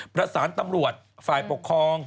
ประสานตำรวจฝ่ายปกครอง